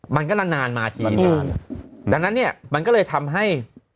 มันก็นานนานมาทีนานดังนั้นเนี่ยมันก็เลยทำให้